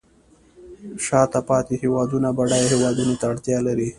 شاته پاتې هیوادونه بډایه هیوادونو ته اړتیا لري